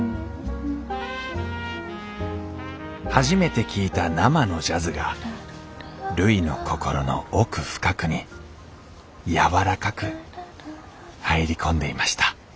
初めて聴いた生のジャズがるいの心の奥深くに柔らかく入り込んでいました